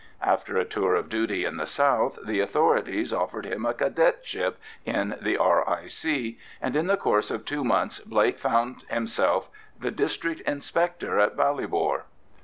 After a tour of duty in the south, the authorities offered him a cadetship in the R.I.C., and in the course of two months Blake found himself the District Inspector at Ballybor.